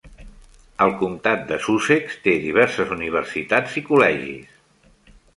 El comptat de Sussex té diverses universitats i col·legis.